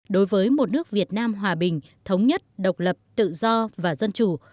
đối với một nước việt nam hòa bình thống nhất độc lập tự do và dân chủ